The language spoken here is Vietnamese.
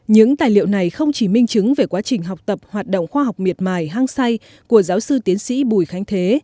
những tài liệu này không chỉ minh chứng về quá trình học tập hoạt động khoa học miệt mài hăng say của giáo sư tiến sĩ bùi khánh thế